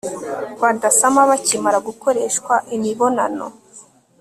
badasama bakimara gukoreshwa imibonano